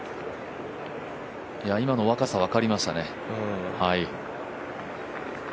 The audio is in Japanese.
今の若さ、分かりましたね。